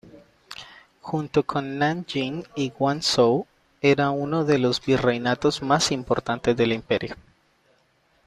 Junto con Nanjing y Guangzhou, era uno de las virreinatos más importantes del imperio.